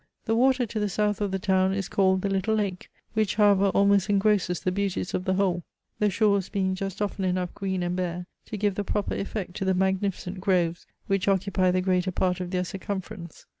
The water to the south of the town is called the Little Lake, which however almost engrosses the beauties of the whole the shores being just often enough green and bare to give the proper effect to the magnificent groves which occupy the greater part of their circumference.